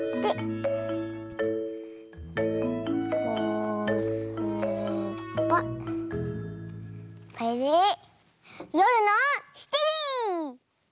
こうすればこれでよるの７じ！